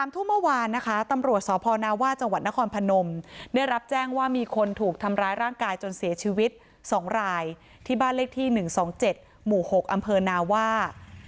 ทุ่มเมื่อวานนะคะตำรวจสพนาว่าจังหวัดนครพนมได้รับแจ้งว่ามีคนถูกทำร้ายร่างกายจนเสียชีวิต๒รายที่บ้านเลขที่๑๒๗หมู่๖อำเภอนาว่า